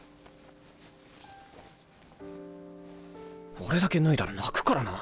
俺だけ脱いだら泣くからな。